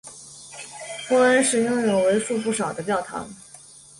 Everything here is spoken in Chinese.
波恩市拥有为数不少的教堂。